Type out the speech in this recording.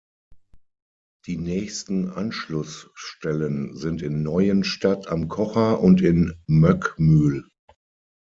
Die nächsten Anschlussstellen sind in Neuenstadt am Kocher und in Möckmühl.